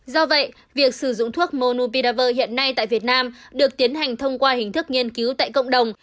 do vậy việc sử dụng thuốc monu piraver hiện nay tại việt nam được tiến hành thông qua hình thức nghiên cứu tại cộng đồng